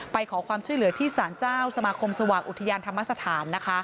ไปขอความช่วยเหลือที่สารเจ้าสมาคมสว่างอุทยานธรรมสถาน